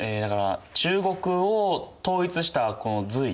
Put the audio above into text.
中国を統一したこの隋。